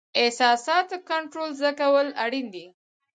احساساتو کنټرول زده کول اړین دي.